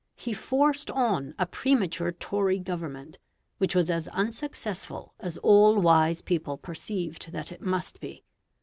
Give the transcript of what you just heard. He forced on a premature Tory Government, which was as unsuccessful as all wise people perceived that it must be.